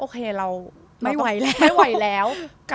โอเคเราไม่ไหวแล้ว